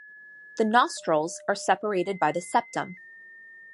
The nostrils are separated by the septum.